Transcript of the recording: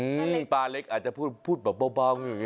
อืมป้าเล็กอาจจะพูดพูดบอกเบ้าเบาเรื่อง